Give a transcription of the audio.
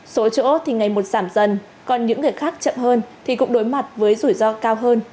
số chỗ thì ngày một giảm dần còn những người khác chậm hơn thì cũng đối mặt với rủi ro cao hơn